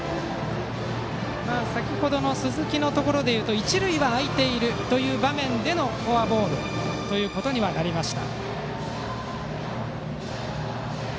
先程の鈴木のところでは一塁が空いている場面でのフォアボールとなりました。